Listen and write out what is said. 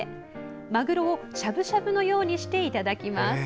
まぐろをしゃぶしゃぶのようにしていただきます。